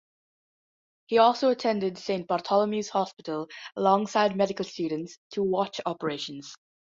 He also attended Saint Bartholomew's Hospital alongside medical students to watch operations.